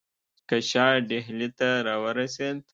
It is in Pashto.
که شاه ډهلي ته را ورسېد.